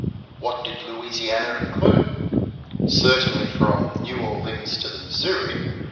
What did Louisiana include? Certainly, from New Orleans to the Missouri.